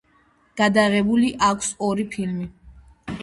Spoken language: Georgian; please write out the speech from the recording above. გადაღებული აქვს ორი ფილმი.